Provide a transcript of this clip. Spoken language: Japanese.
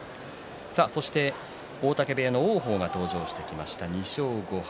そして大嶽部屋の王鵬が登場してきました、２勝５敗。